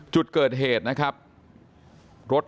จุดเกิดเหตุรถที่ไปชน